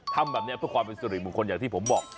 ทำแบบนี้เพื่อความเป็นสุริมงคลอย่างที่ผมบอก